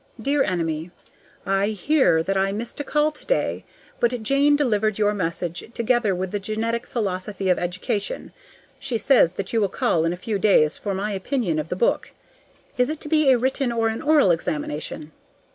Dear Enemy: I hear that I missed a call today, but Jane delivered your message, together with the "Genetic Philosophy of Education." She says that you will call in a few days for my opinion of the book. Is it to be a written or an oral examination?